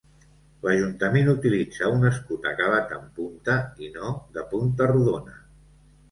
L'ajuntament utilitza un escut acabat en punta i no de punta rodona.